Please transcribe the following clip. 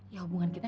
ya hubungan kita